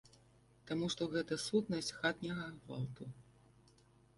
Таму што гэта сутнасць хатняга гвалту.